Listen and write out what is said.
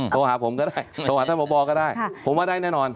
โทรหาผมก็ได้โทรหาท่านพบก็ได้ผมว่าได้แน่นอน